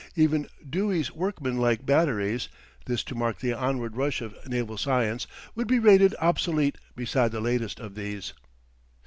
Even Dewey's workman like batteries (this to mark the onward rush of naval science) would be rated obsolete beside the latest of these!